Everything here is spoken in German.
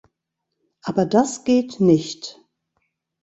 Aber das geht nicht!